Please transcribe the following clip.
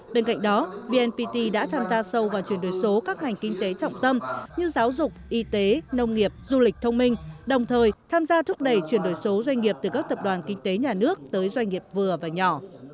bên cạnh đó vnpt đã tham gia sâu vào chuyển đổi số các ngành kinh tế trọng tâm như giáo dục y tế nông nghiệp du lịch thông minh đồng thời tham gia thúc đẩy chuyển đổi số doanh nghiệp từ các tập đoàn kinh tế nhà nước tới doanh nghiệp vừa và nhỏ